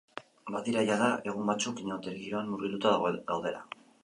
Badira jada egun batzuk inauteri giroan murgilduta gaudela.